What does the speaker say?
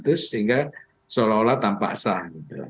terus sehingga seolah olah tanpa asal